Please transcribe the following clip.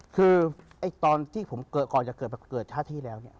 คือไต้ตอนที่ผมเกิดก่อนจะเกิดเช้าที่แล้ว